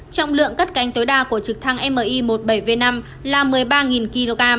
trọng lượng cất cánh tối đa của trực thăng mi một mươi bảy v năm là một mươi ba kg